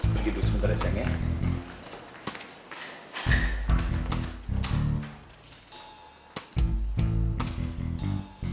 bikin dulu sebentar ya sayangnya